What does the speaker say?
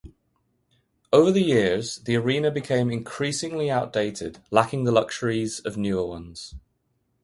Over the years, the arena became increasingly outdated, lacking the luxuries of newer ones.